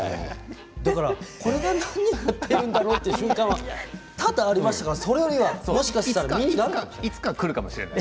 だから、これで何をやっているんだろうっていうのが多々ありましたからそれよりは、もしかしたら身になるかもしれない。